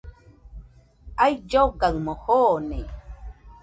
Aullogaɨmo joone.